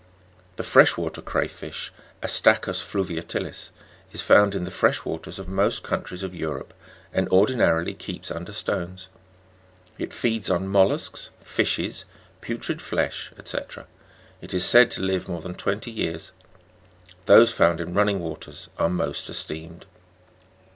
11. The fresh water cray fisli ( Astacus fluv iatilis) is found in the fresh waters of most countries of Europe, and ordinarily keeps under stones. It feeds on mollusks, fishes, putrid flesh, &c. It is said to live more than twenty years ; those found in running waters are most esteemed.